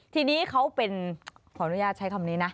ทีนี้เขาเป็นขออนุญาตใช้คำนี้นะ